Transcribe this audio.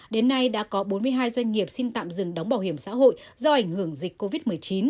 đến nay đã có bốn mươi hai doanh nghiệp xin tạm dừng đóng bảo hiểm xã hội do ảnh hưởng dịch covid một mươi chín